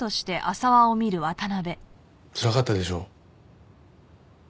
つらかったでしょ？